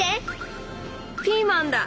ピーマンだ。